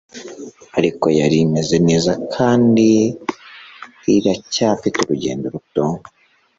ariko yari imeze neza kandi iracyafite urugendo ruto